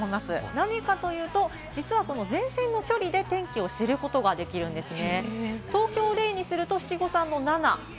何かというと、前線の距離で天気を知ることができるんですね。